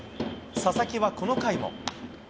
佐々木はこの回も。